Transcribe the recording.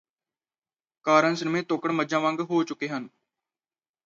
ਕਾਰਣ ਸਿਨਮੇ ਤੋਕੜ ਮੱਝਾਂ ਵਾਂਗ ਹੋ ਚੁਕੇ ਹਨ